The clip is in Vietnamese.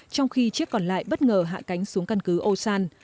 trong khi chiếc còn lại bất ngờ hạ cánh xuống căn cứ osan